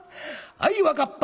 「あい分かった。